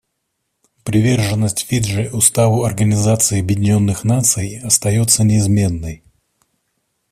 Приверженность Фиджи Уставу Организации Объединенных Наций остается неизменной.